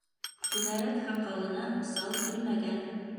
Түңәрәк һаҡалына сал кермәгән.